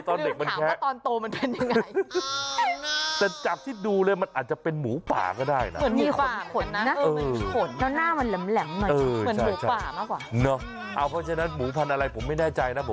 ตอนเล็กไงตอนเด็กมันแค้